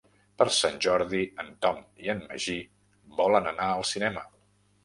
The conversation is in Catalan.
Per Sant Jordi en Tom i en Magí volen anar al cinema.